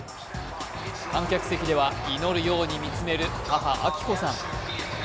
観客席では祈るように見つめる母、明子さん。